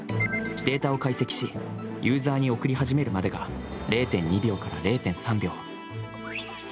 データを解析し、ユーザーに送り始めるまでが０．２秒から０．３秒。